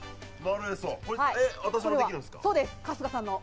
あたしもできるんですか？